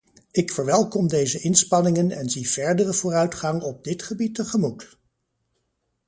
Ik verwelkom deze inspanningen en zie verdere vooruitgang op dit gebied tegemoet.